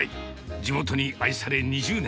地元に愛され２０年。